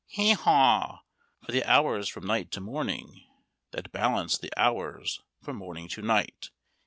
Hee haw! for the hours from night to morning, that balance the hours from morning to night.